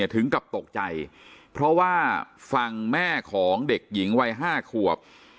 ถึงกับตกใจเพราะว่าฝั่งแม่ของเด็กหญิงวัย๕ขวบ